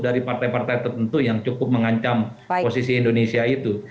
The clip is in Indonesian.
dari partai partai tertentu yang cukup mengancam posisi indonesia itu